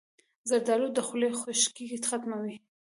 زردالو د خولې خشکي ختموي.